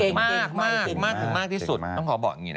มากสูงมากถึงมากที่สุดต้องขอบอกอย่างนี้นะ